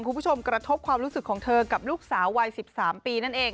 คุณผู้ชมกระทบความรู้สึกของเธอกับลูกสาววัย๑๓ปีนั่นเอง